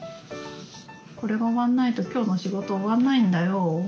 これが終わんないと今日の仕事終わんないんだよ。